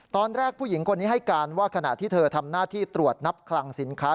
ตอนแรกผู้หญิงคนนี้ให้การว่าขณะที่เธอทำหน้าที่ตรวจนับคลังสินค้า